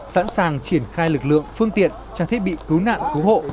sẵn sàng triển khai lực lượng phương tiện trang thiết bị cứu nạn cứu hộ